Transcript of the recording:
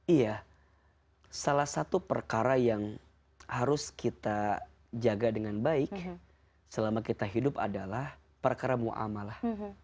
iya salah satu perkara yang harus kita jaga dengan baik selama kita hidup adalah perkara ⁇ muamalah ⁇